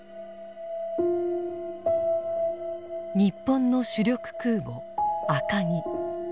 日本の主力空母「赤城」。